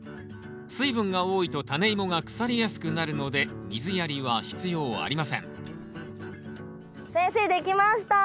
水分が多いとタネイモが腐りやすくなるので水やりは必要ありません先生出来ました！